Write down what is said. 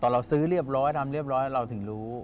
เราซื้อเรียบร้อยทำเรียบร้อยเราถึงรู้